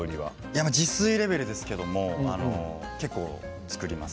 自炊レベルですけれどよく作ります。